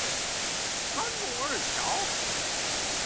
三鶯二橋